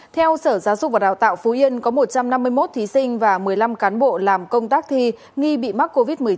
theo sở giáo dục và đào tạo phú yên có một trăm năm mươi một thí sinh và một mươi năm cán bộ làm công tác thi nghi bị mắc covid một mươi chín